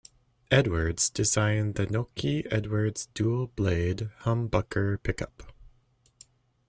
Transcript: Edwards designed the "Nokie Edwards Dual Blade Humbucker Pickup".